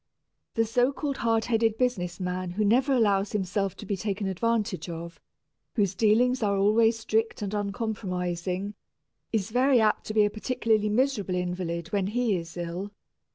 The so called hard headed business man who never allows himself to be taken advantage of, whose dealings are always strict and uncompromising, is very apt to be a particularly miserable invalid when he is ill.